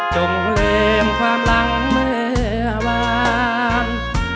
จงเวมความหลังเมื่อวาน